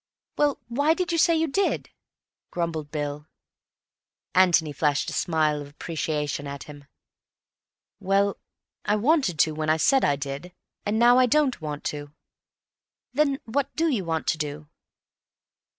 "Well, why did you say you did?" grumbled Bill. Antony flashed a smile of appreciation at him. "Well, I wanted to when I said I did, and now I don't want to." "Then what do you want to do?"